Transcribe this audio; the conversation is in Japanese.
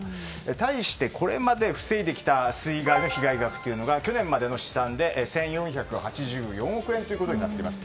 対してこれまで防いできた水害の被害額というのが去年までの試算で１４８４億円となっています。